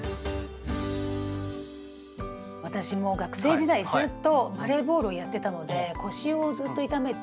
私もう学生時代ずっとバレーボールをやってたので腰をずっと痛めてて。